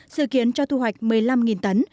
dự kiến cho thu hoạch một mươi năm tấn